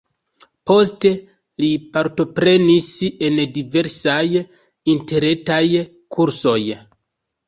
Poste li partoprenis en diversaj interretaj kursoj.